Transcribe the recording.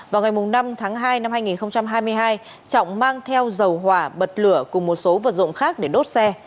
vào ngày năm tháng hai năm hai nghìn hai mươi hai trọng mang theo dầu hỏa bật lửa cùng một số vật dụng khác để đốt xe